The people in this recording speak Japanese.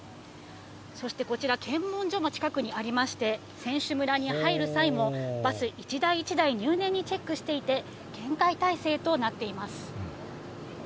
そしてこちら、検問所も近くにありまして、選手村に入る際も、バス一台一台入念にチェックしていて、厳戒態勢となっています。